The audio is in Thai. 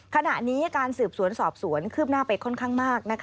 ขณะนี้การสืบสวนสอบสวนคืบหน้าไปค่อนข้างมาก